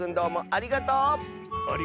ありがとう！